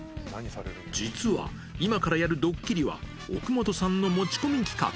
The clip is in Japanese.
実は、今からやるドッキリは、奥本さんの持ち込み企画。